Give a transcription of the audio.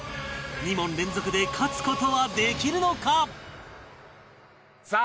２問連続で勝つ事はできるのか？